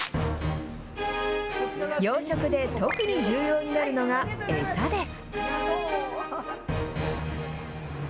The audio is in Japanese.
養殖で特に重要になるのが餌です。